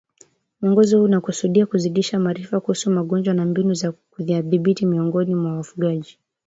Mwongozo huu unakusudiwa kuzidisha maarifa kuhusu magonjwa na mbinu za kuyadhibiti miongoni mwa wafugaji